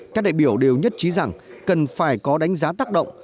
các đại biểu đều nhất trí rằng cần phải có đánh giá tác động